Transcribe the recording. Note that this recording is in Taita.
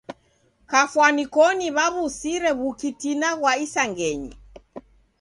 Kafwani koni w'aw'usire w'ukitina ghwa isangenyi.